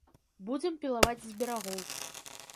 Будзем пілаваць з берагоў.